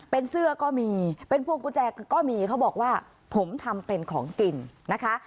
เป็นเสื้อก็มีเป็นพวงกุญแจก็มีเขาบอกว่าผมทำเป็นของกินนะคะ